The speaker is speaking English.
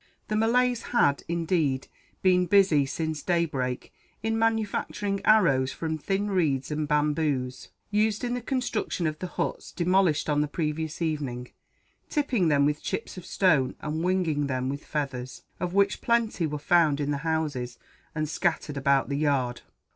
The Malays had, indeed, been busy since daybreak in manufacturing arrows from thin reeds and bamboos, used in the construction of the huts demolished on the previous evening; tipping them with chips of stone and winging them with feathers, of which plenty were found in the houses and scattered about the yard.